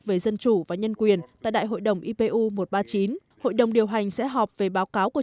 về dân chủ và nhân quyền tại đại hội đồng ipu một trăm ba mươi chín hội đồng điều hành sẽ họp về báo cáo của